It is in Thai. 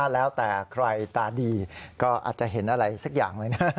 แล้วแต่ใครตาดีก็อาจจะเห็นอะไรสักอย่างเลยนะ